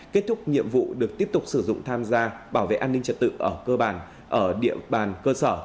kết thúc nhiệm vụ được tiếp tục sử dụng tham gia bảo vệ an ninh trật tự ở địa bàn cơ sở